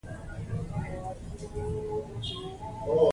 تر څو چې د ټوپک کلتور په سیاسي خبرو بدل نشي، سوله نه راځي.